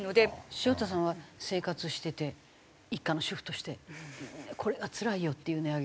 潮田さんは生活してて一家の主婦としてこれがつらいよっていう値上げはなんですか？